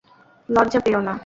লজ্জা পেয়ো না!